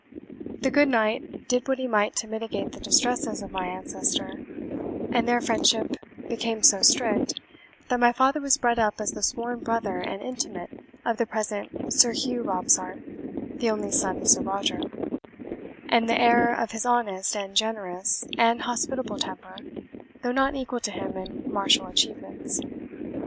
The good knight did what he might to mitigate the distresses of my ancestor; and their friendship became so strict, that my father was bred up as the sworn brother and intimate of the present Sir Hugh Robsart, the only son of Sir Roger, and the heir of his honest, and generous, and hospitable temper, though not equal to him in martial achievements."